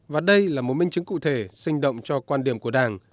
và đây là một minh chứng cụ thể sinh động cho quan điểm của đảng